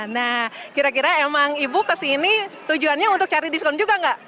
nah kira kira emang ibu kesini tujuannya untuk cari diskon juga nggak